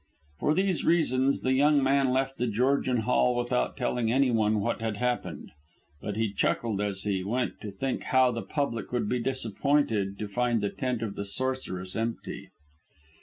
For these reasons the young man left The Georgian Hall without telling anyone what had happened. But he chuckled as he went to think how the public would be disappointed to find the tent of the sorceress empty.